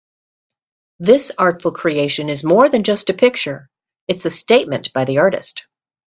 This artful creation is more than just a picture, it's a statement by the artist.